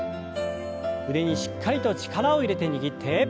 腕にしっかりと力を入れて握って。